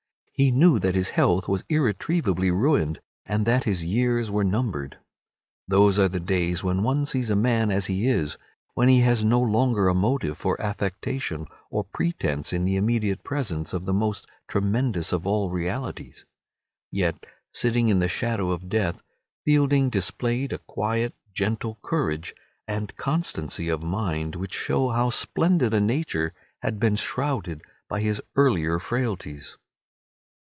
He knew that his health was irretrievably ruined and that his years were numbered. Those are the days when one sees a man as he is, when he has no longer a motive for affectation or pretence in the immediate presence of the most tremendous of all realities. Yet, sitting in the shadow of death, Fielding displayed a quiet, gentle courage and constancy of mind, which show how splendid a nature had been shrouded by his earlier frailties.